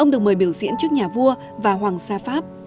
ông được mời biểu diễn trước nhà vua và hoàng sa pháp